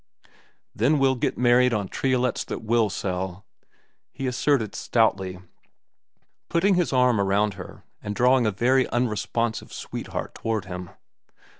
"Then we'll get married on triolets that will sell," he asserted stoutly, putting his arm around her and drawing a very unresponsive sweetheart toward him.